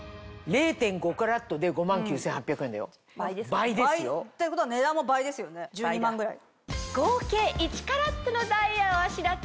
０．５カラットで５万９８００円だよ倍ですよ。ということは値段も倍ですよね１２万ぐらい。